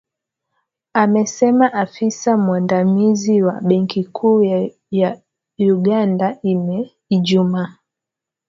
Amesema afisa mwandamizi wa benki kuu ya Uganda, Ijumaa.